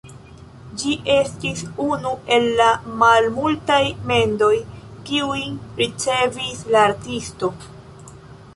Ĝi estis unu el la malmultaj mendoj, kiujn ricevis la artisto.